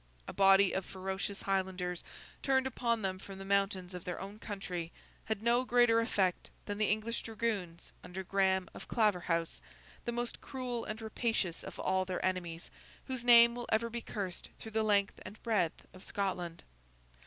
A body of ferocious Highlanders, turned upon them from the mountains of their own country, had no greater effect than the English dragoons under Grahame of Claverhouse, the most cruel and rapacious of all their enemies, whose name will ever be cursed through the length and breadth of Scotland.